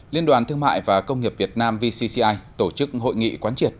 liên đoàn thương mại và công nghiệp việt nam vcci tổ chức hội nghị quán triệt